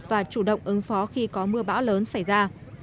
và chủ động ứng phó khi có mưa bão lớn xảy ra